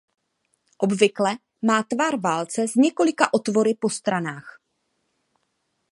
Obvykle má tvar válce s několika otvory po stranách.